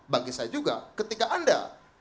bagi saya juga ketika anda